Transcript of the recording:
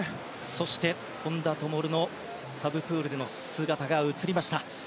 そして、本多灯のサブプールでの姿が映りました。